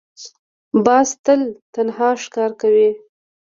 باز تل تنها ښکار کوي